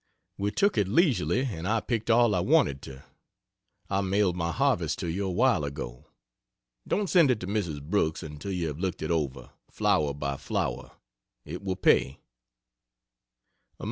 We took it leisurely and I picked all I wanted to. I mailed my harvest to you a while ago. Don't send it to Mrs. Brooks until you have looked it over, flower by flower. It will pay.